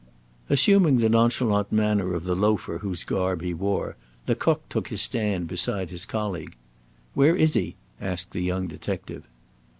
Assuming the nonchalant manner of the loafer whose garb he wore, Lecoq took his stand beside his colleague. "Where is he?" asked the young detective.